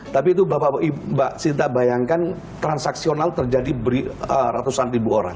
tapi itu mbak sinta bayangkan transaksional terjadi ratusan ribu orang